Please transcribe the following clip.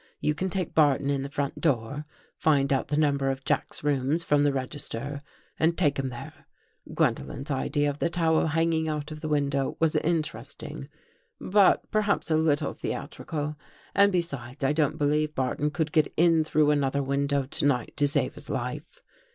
You can take Barton in the front door, find out the number of Jack's rooms from the register and take him there. Gwendolen's idea of the towel hanging out of the window was interesting, but per haps a little theatrical. And besides, I don't believe Barton could get in through another window to night to save his life.